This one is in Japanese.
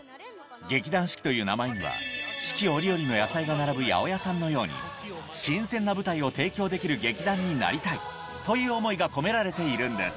劇団四季という名前には四季折々の野菜が並ぶ八百屋さんのように新鮮な舞台を提供できる劇団になりたいという思いが込められているんです